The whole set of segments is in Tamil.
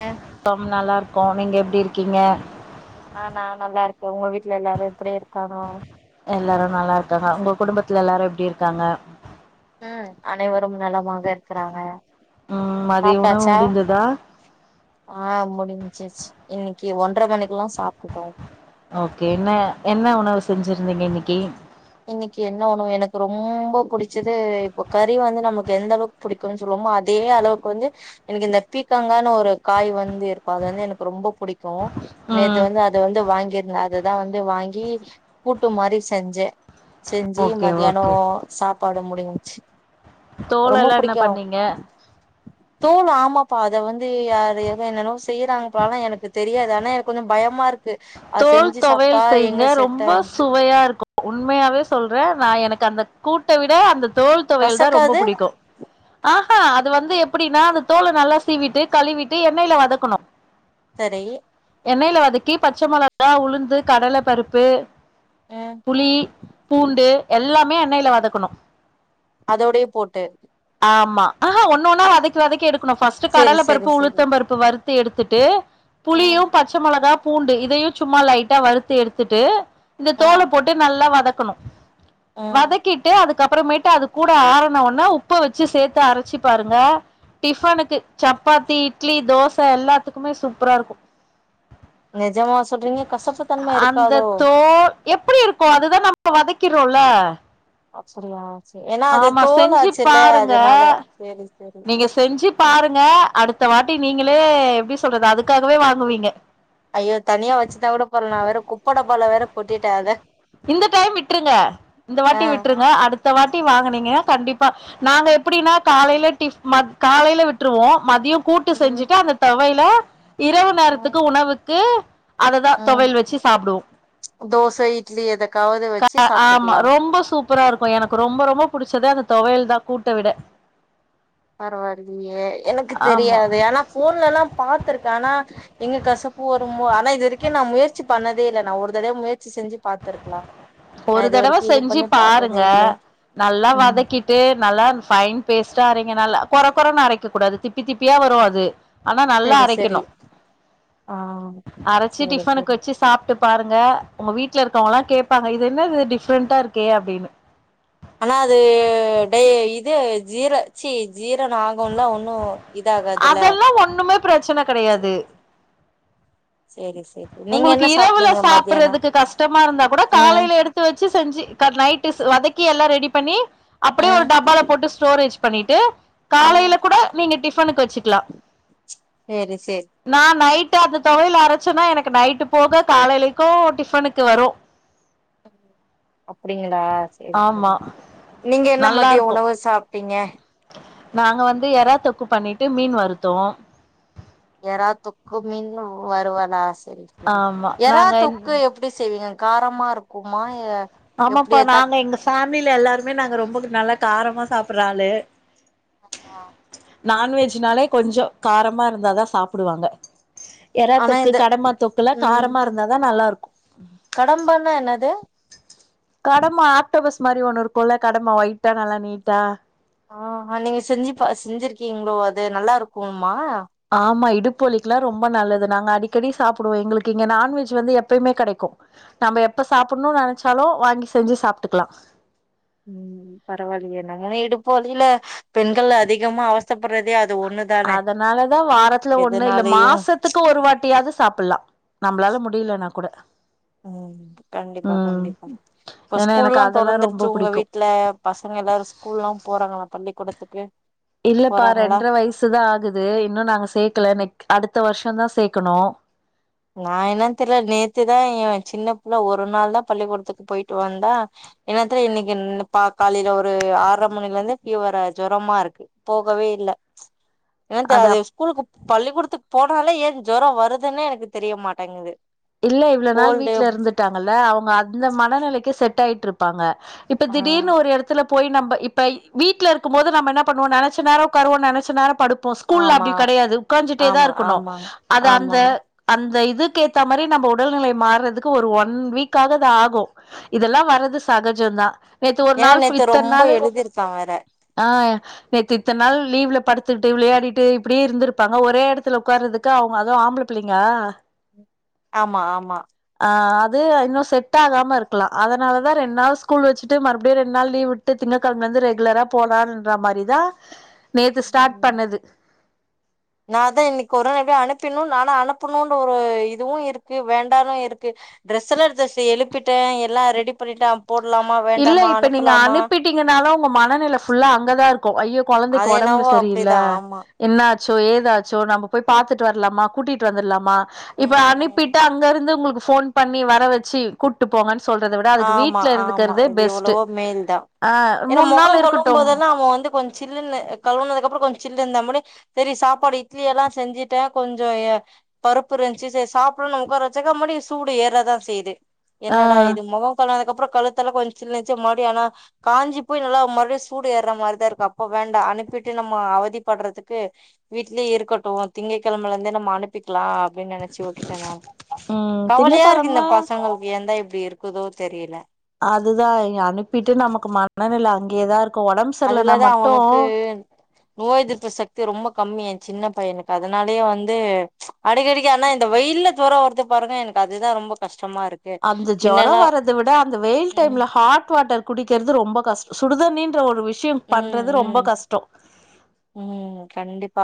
அ பம் நல்லாருக்கோ நீங்க எப்டி இருக்கீங்க? ஒங்க வீட்ல எல்லாரு எப்புடி இருக்காங்க? எல்லாரு நல்லாருக்காங்க உங்க குடும்பத்துல எல்லாரு எப்டி இருக்காங்க? ம் அனைவரும் நலமா ம் மதிய உணவு சாப்ட்டாச்சா முடிந்ததா? ஆ முடிஞ்சிருச் இன்னக்கி ஒன்ற மணிக்குல்லா சாப்டுட்டோ ஓகே என்ன என்ன உணவு செஞ்சிருந்தீங்க இன்னைக்கி? இன்னக்கி என்ன உணவு எனக்கு ரொம்ப புடுச்சது இப்ப கறி வந்து நமக்கு எந்தளவுக் புடிக்குன் சொல்வோமோ அதே அளவுக்கு வந்து எனக்கு இந்த பீக்கங்கானு ஒரு காய் வந்து இருக்கு அது வந்து எனக்கு ரொம்ப புடிக் கு நேத்து ம் வந்து அத வந்து வாங்கிரு ந்த அததா வந்து வாங்கி கூட்டு மாரி செஞ்சே செஞ்சு ஓகே மதியானோ சாப் பாடு முடிஞ்ச்சு தோலல்லா என்ன பண்ணீங்க? தோல் ஆமாப்பா அத வந்து யாரு எதோ என்னன்னவோ செய்யறாங்கப்பா ஆனா எனக்கு தெரியாது ஆனா எனக் கொஞ்ச பயமா இரு தோல் தொவயல் செய்யுங்க செட் ரொம்ப ஆகு சுவையா இருக்கு உண்மயாவே சொல்றே நா எனக்கு அந்த கூட்ட விட அந்த தோல் தொவையல் தா ரொம்ப கசக்காது புடிக்கு ஆஹா அது வந்து எப்புடின்னா அது தோல நல்லா சீவிட்டு கழுவிட்டு எண்ணெய்ல வதக்கணு சரி எண்ணெய்ல வதக்கி பச்ச மொள கா உளுந்து கடல பருப்பு ம் புளி பூண்டு எல்லாமே அ எண்ணெய்ல வதக்கணு அதோடயே போட்டு ஆமா ஆஹா ஒன்னொன்னா வதக்கி வதக்கி எடு ஃபர்ஸ்ட் சேரி கடலை சேரி பருப்பு சேரி உளுத்தம் பருப்பு வறுத்து எடுத்துட்டு ம் புளியும் பச்சை மொளகா பூண்டு இதையும் சும்மா லைட்டா வறுத்து எடுத்துட்டு இந்த தோலை ம் போட்டு நல்லா வதக்கணும் ம் வதக்கிட்டு அதுக்கு அதுக்கு அப்புறமேட்டு அது கூட ஆறன உனே உப்ப வச்சு சேர்த்து அரைச்சு பாருங்க டிபனுக்கு சப்பாத்தி இட்லி தோசை எல்லாத்துக்குமே சூப்பரா இருக்கும் நெஜமா சொல்றீங்க கசப்புத்தன்மை இருக்காதோ எப்படி இருக்கும் அதுதான் நம்ம வதக்கிறோம்ல அப்படியா ஏன்னா அது செஞ்சு தோல்லாச்சுல்ல பாருங்க அதனால செரிசெரி. ங்க அடுத்த வாட்டி நீங்களே எப்படி சொல்றது அதுக்காகவே வாங்குவீங்க. ஐயோ தனியா வச்சுருந்தா கூட பரவலா நான் வேற குப்பை டப்பாளா வேற கொட்டிட்டேன் அத. இந்த டைம் விட்டுருங்க இந்த ஆ வாட்டி விட்டுருங்க அடுத். இந்தவாட்டி வாங்கனீங்க கண்டிப்பா நாங்க எப்படின்னா காலையில டி காலைல விட்டுருவோம் மதியம். கூட்டு ம் செஞ்சுட்டு அந்த ஹலோ. இரவு நேரத்துக்கு உணவு. கே. உஹம் தோசை இட்லி ஏத. ஆமா ரொம்ப சூப்பரா இருக்கும் எனக்கு ரொம்ப ரொம்ப புடிச்சது அந்த. துவையல் தான் கூட்ட விட. பரவால. எனக்கு ஆமா தெரியாது ஆனா போன்லல்லாம் பா்த்திருக்கேன் ஆனா எங்க கசப்பு வரும்மோ ஆனா இது வரைக்கும் நான் முயற்சி பண்ண. இல்ல நான் ஒரு தடவை முயற்சி செஞ்சு. பாத்துருக்கலா நா ஒரு இது தடவ வரைக்கு இது செஞ்சி பண்ணி பாத்ததே பாருங்க இல்ல நல்லா ம் வதக்கிட்டு நல்லா ஃபைன் பேஸ்ட்டா அரைக் நல்லா கொற கொறனு அரைக்க கூடாது திப்பி தப்பியா வரும் அது. ஆனா நல்லா சரி சரி அரைக்கணும் ஆ அரைச்சு சரி டிஃபனுக்கு சரி வச்சு சாப்பிட்டு. பாருங்க உங்க வீட்ல இருக்க. அவங்கலா கேப்பாங்க இது என்னது டிஃப்ரெண்டா இருக்கே அப்படின்னு. ஆனா அது டேஇது ஜீரச்சி ஜீர ந ஆகும்ல ஒண்ணு. அதெல்லாம் ஒண்ணுமே பிரச்சனை கெடையாது. சரி சரி சரி. நீங்க உங்களுக்கு என்ன இரவுல சாப்ட்டீங்க மத்தியானம் சாப்பறதுக்கு கஷ்டமா இருந்தா கூட ம் காலையில எடுத்து வச்சி செஞ்சி. க நைட்டு செ வதக்கி எல்லா ரெடி பண்ணி. அப்படியே ஒரு ம் டப்பால போட்டு ஸ்டோரேஜ் பண்ணிகிட்டு ம் காலையில கூட நீங்க டிஃபனுக்கு வச்சிக்கலாம் சரி சரி நான் நைட். த்த அந்த தொவையல் அரைச்சன்னா எனக்கு. இப்ப நைட்டு போக காலையிலைக்கும் டிஃபனுக்கு வரும். அப்படிங்க ஆ சரி ஆமா சரி நீங்க என்ன நல்லா மதியம் இருக்கு உணவு சாப். டிங்க. நாங்க வந்து எறா தொக்கு பண்ணிட்டு மீன் வருத்தோம். எரா தொக்கு மீன்னு வருவலா ச சரி சரி ஆமா எரா நாங்க தொக்கு எப்டி செய்விங்க. காரமா இருக்குமா ஏ ஆமாப்பா நாங்க எங்க ஃபேமில எல்லாருமே நாங்க ரொம்ப நல்லா காரமா சாப்பற ஆளு ஆமா நான்வெஜ்னாலே கொஞ்சம் காரமா இருந்தாதான் சாப்டுவாங்க ஏறா ஆனா தொக்கு இது கடமா தொக்குலா ம் காரமா இருந்தாதான் நல்லா இருக்கும் கடம்பான்னா என்னது கடம்பா ஆக்டோபஸ் மாரி ஒண்ணு இருக்கும் இல்ல கடம்பா ஒயிட்டா நல்லா நீட்டா ஆ நீங்க செஞ்சி பா செஞ்சிருக்கீங்களோ அது நல்லா இருக்கும்மா ஆமா இடு ப்பு வலிக்குலாம் ரொம்ப நல்லது நாங்க அடிக்கடி சாப்படுவோம் எங்களுக்கு இங்க நான்வெஜ் வந்து எப்பயுமே கடைக்கும் நம்ப எப்ப சாப்பணும்னு நெனைச்சாலு வாங்கி செஞ்சி சாப்ட்டுக்கிலாம் ம் பரவாயில்லையே நாங்காலா இடுப்பு வலில பெண்கள் அதிகமா அவசத்தப்படறதே அ அதனாலதான் வாரத்துல ஒண்ணு இல்ல எதுனாலயு மாசத்துக்கு ஒரு வாட்டியாவது சாப்பலாம் நம்மளால முடியலனா கூட ம் கண்டிப்பா ம் கண்டிப்பா இப்ப ஏனா எனக்கு ஸ்கூல்லாம் அதெல்லா ரொம்ப தொறந்துருச்சி உங்க புடிக்கு வீட்ல பசங்க எல்லாரும் ஸ்கூல்லா போறாங்களா பள்ளிக்கூடத் ஓகே இல்லப்பா ரெண்டரை வயசுதான் ஆகுது இன்னும் நாங்க சேர்க்கல ம் அடுத்த வருஷம் தான் சேர்க்கணும் நான் என்ன தெரில நேத்துதான் என் சின்ன புள்ள ஒரு நாள் தான் பள்ளிக்கூடத்துக்கு போயிட்டு வந்தா என்னத்துல இன்னைக்கு பா காலையில ஒரு ஆற மணில இருந்தே பீவரா ஜரமா இருக்கு போகவே இல்ல என்னாத்த அது ஸ்கூலுக்கு பள்ளிக்கூடத்துக்கு போனால ஏன் ஜொரம் வருதுன்னே எனக்கு தெரிய மாட்டேங்குது இல்ல இவ்ளோ நாள் கோல்டு வீட்ல இருந்துட்டாங்க இல்ல அவுங்க அந்த மனநிலைக்கே செட் ஆயிட் ட்டுருப்பாங்க இப்ப ஆ திடீர்னு ஒரு இடத்துல போய் நம்ம இப்ப வீட்டல இருக்கும் போது நம்ம என்ன பண்ணுவோம் நினைச்ச நேரம் ஒக்காருவோம் நினைச்ச நேரம் படுப்போம் ஸ்கூல்ல ஆமா அப்படி கெடையாது உட்காந்துட்டே தான் ஆமா இருக்கணும் ஆமா அது அந்த ஆமாங்க அந்த இது யு கே ஜி இந்த மாதிரி நம்ம உடல்நிலை மாறுறதுக்கு ஒரு ஒன் வீக்காக ஆகும் இதெல்லாம் வர்றது சகஜம் தான் நேத்து ஒரு ஏன்னா நாள் நேத்து இத்தனை ரொம்ப நாள் எழுதிருக்கா வேற ஆஹ் நேத்து இத்த நாள் லீவ்ல படுத்துட்டு விளையாடிட்டு இப்படியே இருந்திருப்பாங்க ஒரே இடத்துல உட்கார்றதுக்கு அவங்க அதுவும் ஆம்பளை பிள்ளைங்கா ஆமா ஆமா ஆஹ் அது இன்னும் செட் ஆகாம இருக்கலாம் அதனாலதான் ரெண்டு நாள் ஸ்கூல் வச்சுட்டு மறுபடியும் ரெண்டு நாள் லவ் விட்டு திங்கக்கிழமைல இருந்து ரெகுலரா போலான்ன்ற மாதிரிதான் நேத்து ஸ்டார்ட் பண்ணது நான் தான் இன்னைக்கு ஒரு நாள் எப்படிய அனுப்பினும் நானா அனுப்பணும்னு ஒரு இதுவும் இருக்கு வேண்டாலும் இருக்கு ட்ரெஸ் எல்லாம் எத்து எழுப்பிட்டேன் எல்லாம் ரெடி பண்ணிட்டேன் இல்ல இப்ப நீங்க அனுப்பிட்டீங்கனால உங்க மனநிலை புல்லா அங்கதான் இருக்கும் ஐயோ குழந்தைக்கு அது உடம்புல என்னவோ சரியில்ல அப்டிதா ஆமா என்ன சோ ஏதாச்சோ நம்ம போய் பாத்துட்டு வரலாமா கூட்டிட்டு வந்துடலாமா இப்ப ம் ம் அனுப்பிட்டு அங்க இருந்து உங்களுக்கு போன் பண்ணி வர வச்சு கூட்டு போங்க சொல்றத விட அதுக்கு வீட்டு ஆமா ஆமா இது எவ்வளவோ மேல் தான் ஆ ஏன்னா மூணு முகம் நாள் கழுவும் இருக்கட்டும் போதெல்லாம் அவன் வந்து கொஞ்ச சில்லுனு கழுவுனது அப்புறம் கொஞ்சம் சில்லு இருந்தமடி செரி சாப்பாடு இட்லி எல்லாம் செஞ்சுட்டேன் கொஞ்சம் பருப்பு இருந்துச்சு சரி சாப்பிடும்னு உக்கார வச்சக்க முடி சூடு ஏறதான் செய்யுது என்னடா ஆஹ் இது முகம் கழுவனதுக்கப்புறம் கழுத்தல கொஞ்சம் சில்லுனுச்சு மறுபடியும் ஆனா காஞ்சி போய் நல்லா மறுடியும் சூடு ஏற மாதிரிதான் இருக்கு அப்ப வேண்டாம் அனுப்பிட்டு நம்ம அவதிப்படுறதுக்கு வீட்லயே இருக்கட்டும் திங்ககிழமை இருந்தே நம்ம அனுப்பிக்கலாம் அப்படின்னு நினைச்சு விட்டுட்டேன் நான் ம் கவலையா இருக்கு இந்த திங்கக்கெழம பசங்களுக்கு எந் தான் வேர் -இருக்குதோ தெரியல அதுதான் இங்க அனுப்பிட்டு நமக்கு மன மன நிலை அங்கேயே தான் இருக்கு ஒடம்பு சரியில்லனா அதுல தான் மட்டு அவனுக்கு நோய் எதிர்ப்பு சக்தி ரொம்ப கம்மி என் சின்ன பையனுக்கு அதனாலேயே வந்து அடிக்கடிக்க ஆனா இந்த வெயில்ல சொரம் வரது பாருங்க எனக்கு அதுதான் ரொம்ப கஷ்ட அந்த ஜுரம் வறத விட அந்த வெயில் ம் டைம்ல ஹாட் வாட்டர் குடிக்கிறது ரொம்ப கஷ் சுடு தண்ணின்ற ஒரு விஷ ச்சின் ம் பண்றது ரொம்ப ம் கஷ்டோ ம் கண்டிப்பா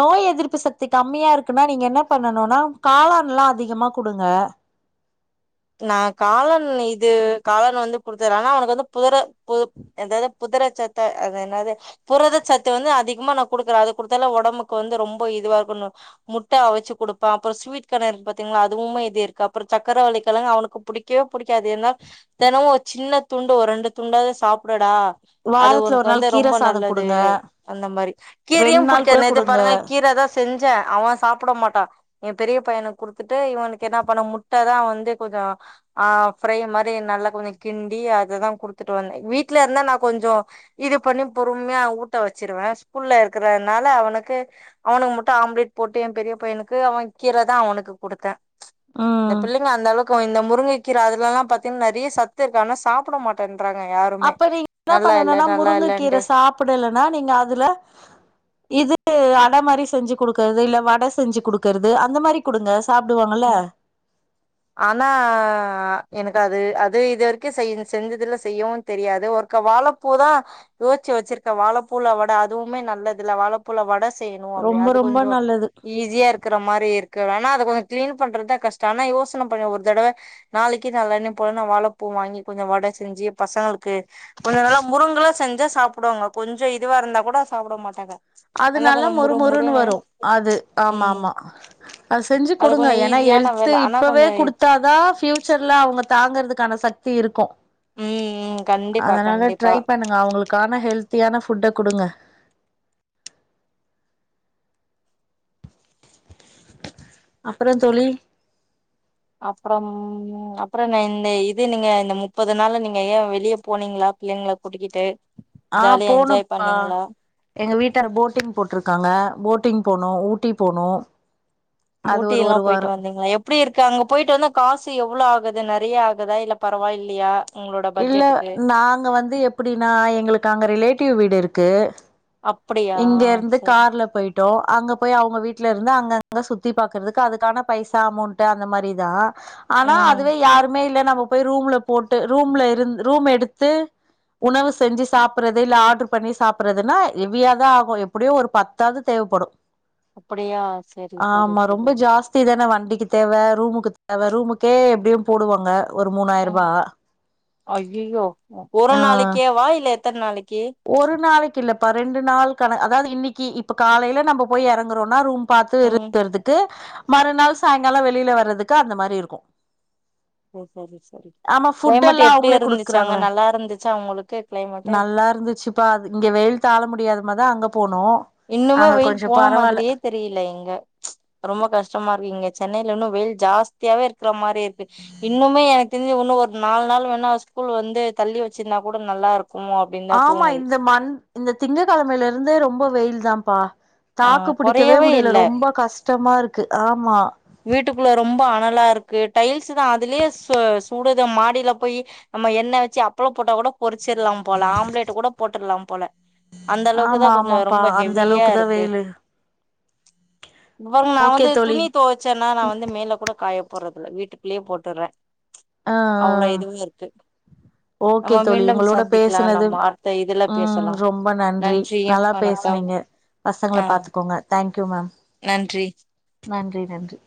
நோய் எதிர்ப் திர்ப்பு சக்தி கம்மியா இருக்குன்னா நீங்க என்ன பண்ணனுன்னா காளான்ல்லா அதிகமா குடுங்க நா காளன் இது காளன் வந்து குடுத்த ஆனா அவனுக்கு வந்து புதிர பு எதாவது புதிரை சத்த அ என்னது புரத சத்து வந்து அதிகமா நா குடுக்குறே அது குடுத்தால உடம்புக்கு வந்து ரொம்ப இதுவா இருக்கு. முட்ட அவச்சு குடுப்பே அப்புற ஸ்வீட் கான் பாத்தீங்களா அதுவுமே இது இருக்கு அப்புறம் சக்கரவலி கிழங்கு அவனுக்கு புடிக்கவே புடிக்காது ஏனா தினமு ஒரு சின்ன துண்டு ஒரு ரெண்டு துண்டாவ சாப்டு டா அது வாரத்துல உனக்கு ஒரு வந்து நாள் கீர ரொம்ப சாதோ நல்லது குடுங்க அந்த மாரி கீரையு ரெண்டு நாள் கூட புடிக்கது நேத்து குடுங்க பாருங்க கீர தா செஞ்சே அவ சாப்ட மாட்டா எ பெரிய பையனுக்கு குடுத்துட்டு இவனுக்கு என்ன பண்ண முட்ட தா வந்து கொஞ்ச ஆ ஃப்ரை மாரி நல்லா கொஞ்ச கிண்டி அததா கொடுத்துட்டு வந்தே வீட்ல இருந்தா நா கொஞ்ச இது பண்ணி பொறுமையா ஊட்ட வச்சிருவே ஸ்கூல்ல இருக்கறதனால அவனுக்கு அவனுக்கு மட்டு ஆம்லேட் போட்டு எ பெரிய பையனுக்கு அவன் கீர தா அவனுக்கு கொடுத்தே இந்த ம் பிள்ளைங்க அந்த அளவுக் இந்த முருங்கைக்கீர அதெல்லா பாத்த நறைய சத்து இருக்கு ஆன சாப்ட மாட்டே அப்ப நீங்க என்ன பண்ணனுன்னா நல்லா முருங்க கீர இல்லன்ட்டு சாப்டலனா நீங்க அதுல இது அடை மாரி செஞ்சு குடுக்கறது இல்ல வடை செஞ்சு குடுக்குறது அந்த மாறி குடுங்க சாப்டுவாங்கல்ல ம் ஆன ஆ எனக்கு அது அது இதுவரைக்கு செய் செஞ்சதுல செய்யவும் தெரியாது ஒருக்க வாழைப்பூ தா யோசுச்சு வச்சிருக்க வாழைப்பூல வடை அதுவுமே நல்லதுல்லா வாழைப்பூல வட செய்யணு. அப்டியா ரொம்ப அது ரொம்ப கொஞ்ச நல்லது ஈஸியா இருக்கற மாரி இருக்கு ஆன கிட்டக்கவே கிளீன் பண்றதுதா கஷ்ட ஆனா யோசன பண்ண ஒரு தடவ நாளைக்கு நாளாணிக்க போலன்னா வாழைப்பூ வாங்கி கொஞ்ச வடை செஞ்சு பசங்களுக்கு கொஞ்ச நல்லா முருங்கல்லா செஞ்சா சாப்டுவாங்க கொஞ்ச இதுவா இருந்தா கூட சாப்ட மாட்டாங்க நல்லா அதுனாலா கொஞ்சோ முறு மொறுமுொறுன்னு முறுன்னு வரு அது ஆமா ம் ஆமா அது செஞ்சு அது குடுங்க கொஞ்சோ ஏன்னா ஈஸியான ஹெல்த்து வேல ஆனா இப்பவே கொஞ்சோ குடுத்தாதா ஃபியூச்சர்ல அவுங்க தாங்கறதுக்கான சக்தி இருக்கு ம் ம் கண்டிப்பா அதனால கண்டிப்பா ட்ரை பண்ணுங்க அவுங்களுக்கான ஹெல்த்தியான ஃபுட்ட குடுங்க அப்புற தோழி அப்புறம் ம் அப்புறங்க இந்த இது நீங்க இந்த முப்பது நாள்ள நீங்க ஏ வெளியே போனீங்களா பிள்ளைங்கள கூட்டிக்கிட்டு ஆ ஜாலியா என்ஜாய் போனப்ப பண்ணீங்களா எங்க வீட்டார போட்டிங் போட்ருக்காங்க போட்டிங் போனோ ஊட்டி போனோ அது ஊட்டி ஒரு எல்லா ஒரு போயிட்டு வாரோ வந்தீங்களா எப்டி இருக்கு அங்க போயிட்டு வந்தா காசு எவ்ளோ ஆகுது இது நெறைய ஆகுதா இல்ல பரவாயில்லையா உங்களோட இல்ல பட்ஜெட்டுக்கு நாங்க வந்து எப்டின்னா எங்களுக்கு அங்க ரிலேட்டிவ் வீடு இருக் கு அப்படியா இங்க இருந்து சரி கார்ல போயிட் ட்டோ அங்க போய் அவங்க வீட்ல இருந்த அங்கங்க சுத்தி பாகறதுக்கு அதுக்கான பைசா அமௌண்ட் அந்த மாரிதா ஆனா ம் அதுவே யாருமே இல்ல நம்ம போய் ரூம்ல போட்டு ரூம்ல இருந் ரூம் எடுத்து உணவு செஞ்சி சாப்புறது இல்ல ஆடர் பண்ணி சாப்பறதுன்னா ஹெவியாதா ஆகு எப்புடியு ஒரு பத்தாவது தேவ்ப்படு அப்படியா சரி சரி ஆமா சரி ரொம்ப ஜாஸ்தி தான வண்டிக் க்கு தேவ ரூமுக்கு தேவ ரூமுக்கே எப்பிடியு போடுவாங்க ஒரு மூணாயிரூவா ஐய்ஐயோ ஒரு நாளைக்ககே வா இல் லே ஏத்த நாளைக் ஒரு நாளைக்கு இல்ல பா ரெண்டு நாள் கண அதாவது இன்னிக்கு இப்ப காலையில நம்ம போய் இறங்குறோன்னா ரூம் பாத்து ரெ ம் டெறதுக்கு மறுநாள் சாயங்காலோ வெளியில வர்றதுக்கு அந்த மாரி இருக்கு சேரி சேரி சேரி ஆமா ஃபுட் கிளைமேட் எல்லா எப்பிடியா அவங்களே இருந்துச்ச குடுக்குறாங்களே அங்க நல்லா இருந்துச்சா உங்களுக்கு கிளைமேட்டு ப்பா இங்க வெயில் தாழ முடியாத மாதா அங்க போனோ இன்னுமோ அங்க வெயில் கொஞ்சோ போன பரவால்ல மாதிரியே தெரியல இங்க ரொம்ப கஷ்டமா இருக் இங்க சென்னை ல்ல இன்னு வெயில் ஜாஸ்தியாவே இருக்கிற மாரி இருக்கு இன்னுமே எனக்கு தெரிஞ்ச இன்னு ஒரு நாலு நாள் வேணா ஸ்கூல் வந்து தள்ளி வச்சிருந்தா கூட நல்லா இருக் ஆமா இந்த மண் இந்த திங்க கிழமையில இருந்து ரொம்ப வெயில் தாம்ப்பா ஆ தாக்கு புடிக்கவே கொறையவே முடியல இல்ல ரொம்ப கஷ் ஷ்டமா இருக்கு ஆமா வீட்டுக்குள்ள ரொம்ப அனலா இருக்கு டைல்ஸ்தா அதுலயே சு சூடுது மாடியில போய் நம்ம எண்ணெய் வச்சி அப்பளோ போட்டா கூட பொறிச்சிரலா போல ஆம்லேட் கூட போட்டறலா போல அந்த அளவுக்குதா ஆமா கொஞ்சோ ஆமாப்பா ரொம்ப அந்த ஹெவியா அளவுக்கு தா இருக்கு வெயிலு இவங் நா ஓகே வந்து தோழி துணி தோச்சன்னா நா வந்து மேல கூட காய போறதுல வீட்டுக்குள்ளேயே போட்டறே அ அ ஓகே நம்ம தோழி மீண்டும் உங்களோட சந்திக்கலா பேசனது நம்ம அடுத்த இதுல ம் பேசலாம் ரொம்ப நன்றி நல்லா பேஸ்னீங்க பசங்கள ஆ பாத்துக்கோங்க தேங்க் கியூ மேம் நன்றி நன்றி நன்றி